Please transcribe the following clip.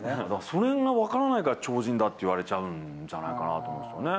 それが分からないから超人だって言われちゃうんじゃないかなと思うんですよね。